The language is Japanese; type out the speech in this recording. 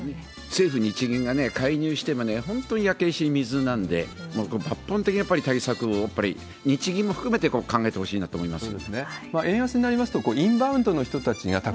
政府・日銀が介入しても、本当に焼け石に水なんで、抜本的な対策をやっぱり、日銀も含めて考えてほしいなと思います。